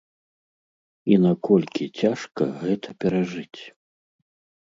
І наколькі цяжка гэта перажыць?